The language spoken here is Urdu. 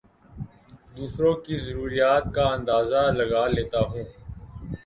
دوسروں کی ضروریات کا اندازہ لگا لیتا ہوں